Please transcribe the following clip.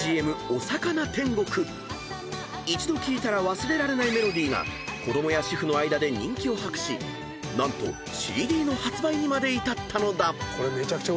［一度聴いたら忘れられないメロディーが子供や主婦の間で人気を博し何とＣＤの発売にまで至ったのだ］